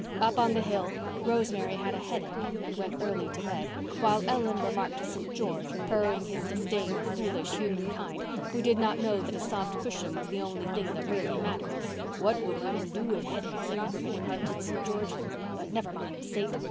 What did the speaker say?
Up on the hill Rosemary had a headache and went early to bed, while Ellen remarked to St. George, purring his disdain of foolish humankind, who did not know that a soft cushion was the only thing that really mattered, "What would women do if headaches had never been invented, St. George? But never mind, Saint.